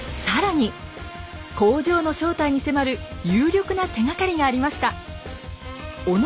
更に工場の正体に迫る有力な手がかりがありました。